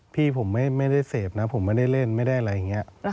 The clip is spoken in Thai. พี่ผมไม่ได้เตรียมผมไม่ได้เล่นเอาท่อง